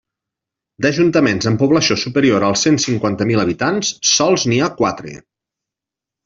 D'ajuntaments amb població superior als cent cinquanta mil habitants, sols n'hi ha quatre.